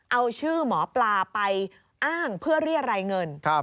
เอาชื่อหมอปลาไปอ้างเพื่อเรียรายเงิน